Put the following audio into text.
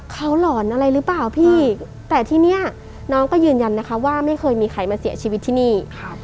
เขาหลอนอะไรหรือเปล่าพี่แต่ที่นี่น้องก็ยืนยันนะคะว่าไม่เคยมีใครมาเสียชีวิตที่นี่